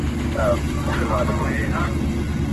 هــغــه اوس كـــډه وړي كابــل تــه ځــــــي_